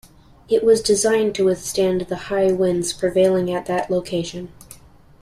It was designed to withstand the high winds prevailing at that location.